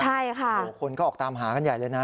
ใช่ค่ะคนก็ออกตามหากันใหญ่เลยนะ